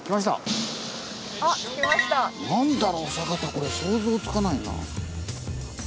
これ想像つかないな。